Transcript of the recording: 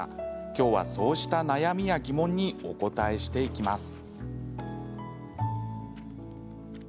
きょうは、そうした悩みや疑問にお答えしていきます。